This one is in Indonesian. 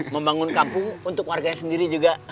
membangun kampung untuk warganya sendiri juga